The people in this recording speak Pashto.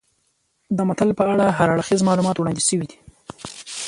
د متل په اړه هر اړخیز معلومات وړاندې شوي دي